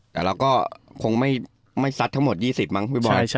แล้วก็คงไม่สัดทั้งหมด๒๐บาทมั้งพี่บอย